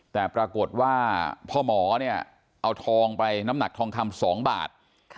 แต่ปรากฏว่าพ่อหมอเนี่ยเอาทองไปน้ำหนักทองคำ๒บาท